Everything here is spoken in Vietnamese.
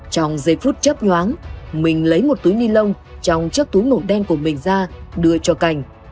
trong giây phút chấp nhoáng mình lấy một túi ni lông trong chiếc túi màu đen của mình ra đưa cho cành